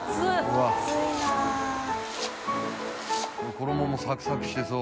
衣もサクサクしてそう。